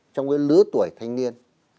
trong cái lứa tuổi thanh niên